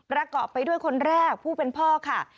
ประกอบไปด้วยคนแรกผู้เป็นพ่อค่ะ